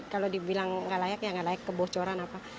kalau dibilang nggak layak ya nggak layak kebocoran apa